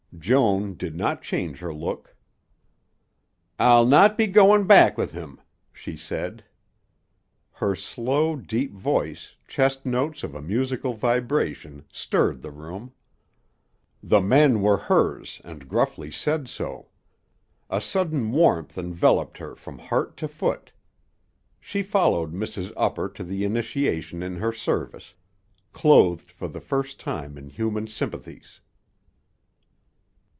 Joan did not change her look. "I'll not be goin' back with him," she said. Her slow, deep voice, chest notes of a musical vibration, stirred the room. The men were hers and gruffly said so. A sudden warmth enveloped her from heart to foot. She followed Mrs. Upper to the initiation in her service, clothed for the first time in human sympathies.